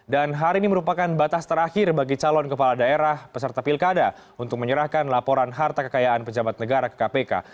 dan hari ini merupakan batas terakhir bagi calon kepala daerah peserta pilkada untuk menyerahkan laporan harta kekayaan sandiaga uno